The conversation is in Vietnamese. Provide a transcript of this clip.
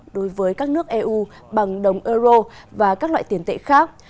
đối với các nước eu bằng đồng euro và các loại tiền tệ khác